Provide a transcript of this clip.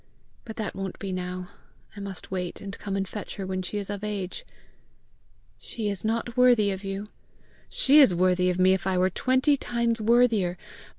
But that won't be now. I must wait, and come and fetch her when she is of age." "She is not worthy of you." "She is worthy of me if I were twenty times worthier!